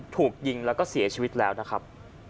ถูกยิงแล้วก็เสียชีวิตแล้วนะครับ